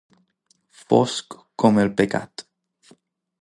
Fosc com el pecat.